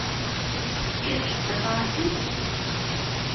Kečč, d Afransis?